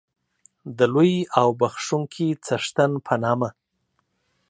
د لوی او بخښونکی څښتن په نامه